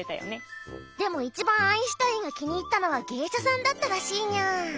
でも一番アインシュタインが気に入ったのは芸者さんだったらしいにゃ。